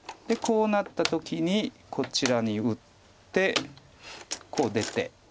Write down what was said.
こうなった時にこちらに打ってこう出て。